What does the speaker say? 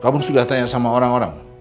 kamu sudah tanya sama orang orang